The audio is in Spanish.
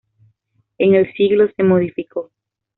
En el siglo se modificó.